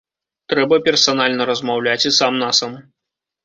Трэба персанальна размаўляць і сам-насам.